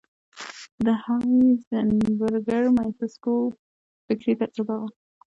د هایزنبرګر مایکروسکوپ فکري تجربه وه.